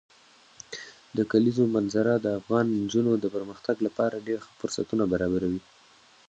د کلیزو منظره د افغان نجونو د پرمختګ لپاره ډېر ښه فرصتونه برابروي.